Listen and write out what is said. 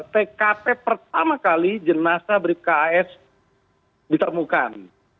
tkt pertama kali jenazah brip kas ditemukan